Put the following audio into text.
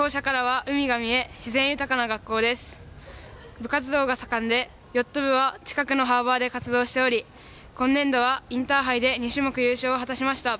部活動が盛んで、ヨット部は近くのハーバーで活動しており今年度は、インターハイで２種目優勝を果たしました。